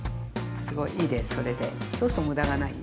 すごいいいですそれで。